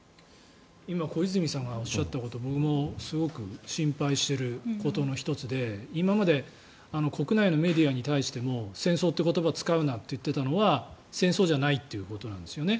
今、小泉さんがおっしゃったこと僕もすごく心配していることの１つで今まで国内のメディアに対しても戦争という言葉を使うなと言っていたのが戦争じゃないということなんですよね。